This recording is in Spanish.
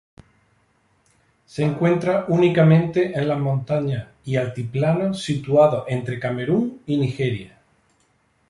Se encuentra únicamente en las montañas y altiplanos situados entre Camerún y Nigeria.